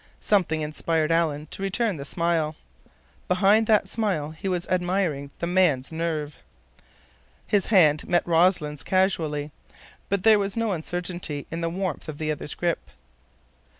Something inspired Alan to return the smile. Behind that smile he was admiring the man's nerve. His hand met Rossland's casually, but there was no uncertainty in the warmth of the other's grip.